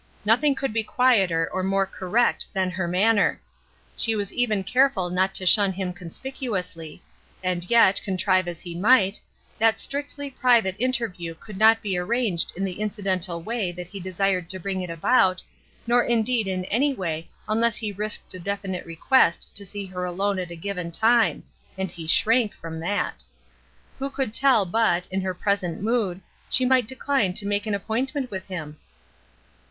Nothing could be quieter or more correct than her manner: she was even careful not to shun him conspicuously, and yet, contrive as he might, that strictly private inter view could not be arranged in the incidental way that he desired to bring it about, nor in deed in any way unless he risked a definite request to see her alone at a given time — and he shrank from that. Who could tell but, in her present mood, she might decline to make an appointment with him